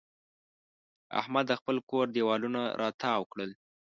احمد د خپل کور دېوالونه را تاوو کړل.